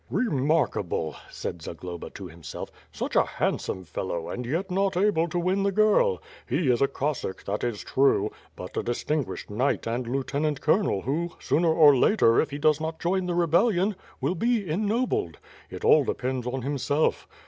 "Remarkable !" said Zagloba to himself, "such a handsome fellow, and yet not able to win the girl. He is a Cossack — that is true; but a distinguished knight and lieutenant col onel who, sooner or later if he does not join the rebellion, will be ennobled. It all depends on himself.